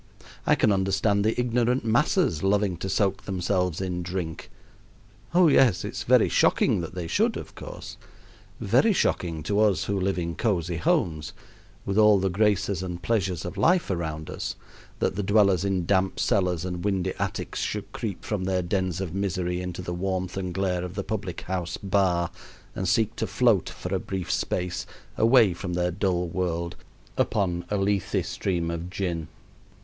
I can understand the ignorant masses loving to soak themselves in drink oh, yes, it's very shocking that they should, of course very shocking to us who live in cozy homes, with all the graces and pleasures of life around us, that the dwellers in damp cellars and windy attics should creep from their dens of misery into the warmth and glare of the public house bar, and seek to float for a brief space away from their dull world upon a Lethe stream of gin.